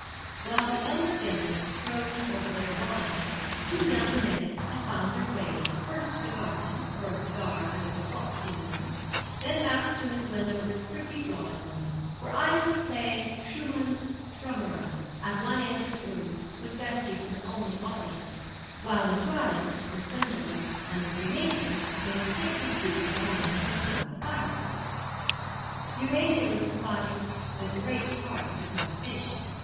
While the elder gentlemen prosed over their wine the two younger men had found their way, first to the garden, for a cigar under the frosty moon, then back to Miss Wendover's pretty drawing room, where Ida was playing Schumann's 'Träumerei' at one end of the room with Bessie for her only audience, while Miss Rylance, Miss Wendover, and the three matrons made a stately group around and about the fire place. Urania was providing the greater part of the conversation.